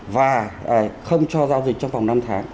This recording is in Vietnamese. và không cho giao dịch trong vòng năm tháng